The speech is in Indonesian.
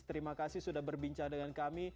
terima kasih sudah berbincang dengan kami